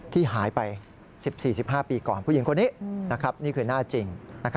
ที่หายไป๑๔๑๕ปีก่อนผู้หญิงคนนี้นี่คือหน้าจริง